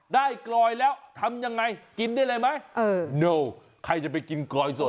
กลอยแล้วทำยังไงกินได้เลยไหมเออโนใครจะไปกินกลอยสด